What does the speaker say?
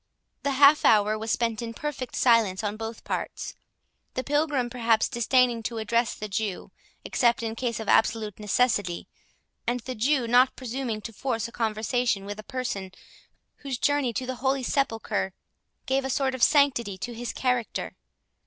The half hour was spent in perfect silence on both parts; the Pilgrim perhaps disdaining to address the Jew, except in case of absolute necessity, and the Jew not presuming to force a conversation with a person whose journey to the Holy Sepulchre gave a sort of sanctity to his character.